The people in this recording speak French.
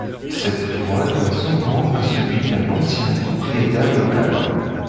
Cette voie doit son nom à celui d'un ancien propriétaire local.